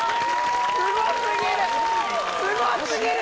すごすぎる！